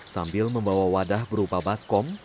sambil membawa wadah berupa baskom